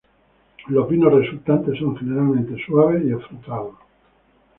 Los vinos resultantes son generalmente suaves y afrutados.